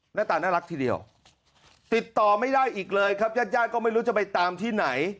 หน้าตาน่ารักทีเดียวติดต่อไม่ได้อีกเลยครับญาติญาติก็ไม่รู้จะไปตามที่ไหน